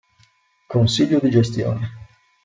Consiglio di gestione